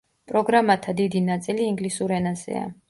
პროგრამათა დიდი ნაწილი ინგლისურ ენაზეა.